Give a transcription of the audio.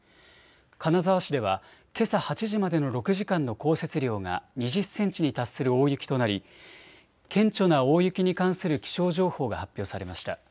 金沢市では、けさ８時までの６時間の降雪量が２０センチに達する大雪となり顕著な大雪に関する気象情報が発表されました。